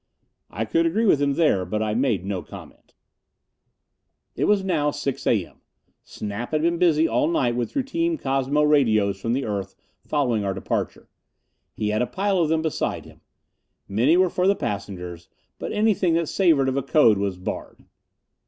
I could agree with him there, but I made no comment. It was now 6 A. M. Snap had been busy all night with routine cosmo radios from the earth, following our departure. He had a pile of them beside him. Many were for the passengers; but anything that savored of a code was barred.